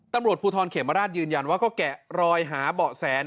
ตำรวจภูทรเขมราชยืนยันว่าก็แกะรอยหาเบาะแส